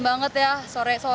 mungkin tidak di indonesia